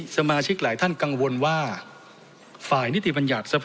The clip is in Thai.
สมาชิกหลายท่านกังวลว่าฝ่ายนิติบัญญาณสภาโฟธรรจรส่วนดอน